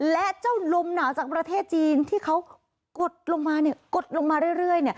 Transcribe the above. และเจ้าลมหนาวจากประเทศจีนที่เขากดลงมากดลงมาเรื่อย